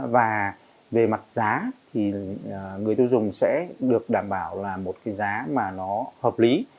và về mặt giá thì người tiêu dùng sẽ được đảm bảo là một cái giá mà nó hợp lý